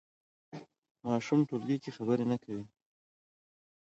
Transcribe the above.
ماشوم ټولګي کې خبرې نه کوي.